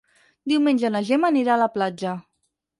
Diumenge na Gemma anirà a la platja.